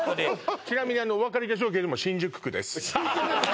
ちなみにお分かりでしょうけども新宿区です